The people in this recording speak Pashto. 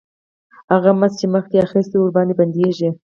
هغه مزد چې مخکې یې اخیست ورباندې بندېږي